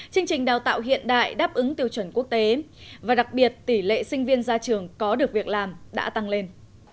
chương trình đào tạo hiện đại đáp ứng tiêu chuẩn quốc tế và đặc biệt tỷ lệ sinh viên ra trường có được việc làm đã tăng lên